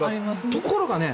ところがね